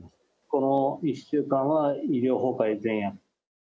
この１週間は、医療崩壊前夜。